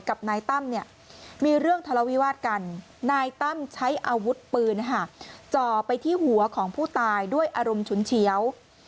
กับนายตั้มเนี่ยมีเรื่องทะเลาวิวาสกันนายตั้มใช้อาวุธปืนจ่อไปที่หัวของผู้ตายด้วยอารมณ์ฉุนเฉียว